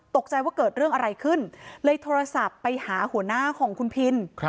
ตกใจว่าเกิดเรื่องอะไรขึ้นเลยโทรศัพท์ไปหาหัวหน้าของคุณพิน